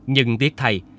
nhưng tiếc thay